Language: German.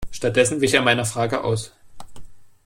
Stattdessen wich er meiner Frage aus.